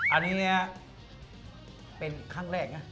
อันนี้เป็นครั้งแรกนะ